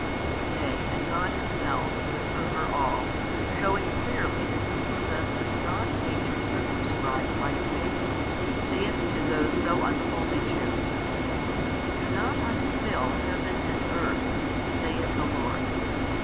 Yea and God Himself Who is over all, shewing clearly that He possesseth not nature circumscribed by space, saith to those so unholy Jews, Do not I fill heaven and earth, saith the Lord?